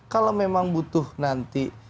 kalau memang butuh nanti